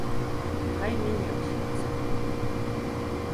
Хай мяне ўсе цытуюць.